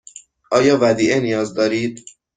آیا ودیعه نیاز دارید؟